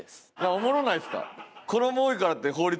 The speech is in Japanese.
おもろないですか？